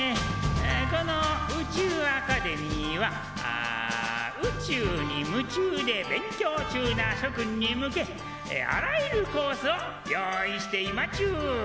この宇宙アカデミーは宇宙に夢中で勉強中な諸君に向けあらゆるコースを用意していまちゅー。